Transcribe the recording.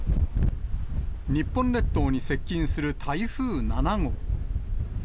日本列島に接近する台風７号。